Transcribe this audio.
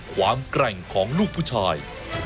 แกร่งของลูกผู้ชาย